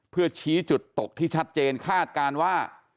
เพื่อชี้จุดตกที่ชัดเจนคาดการณ์ว่า